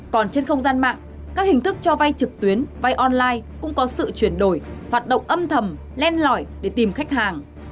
còn trên không gian mạng các hình thức cho vay trực tuyến vay online cũng có sự chuyển đổi hoạt động âm thầm len lỏi để tìm khách hàng